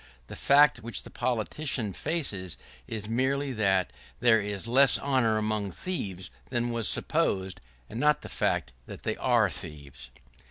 The fact which the politician faces is merely that there is less honor among thieves than was supposed, and not the fact that they are thieves.